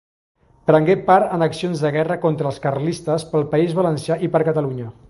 Prengué part en accions de guerra contra els carlistes pel País Valencià i per Catalunya.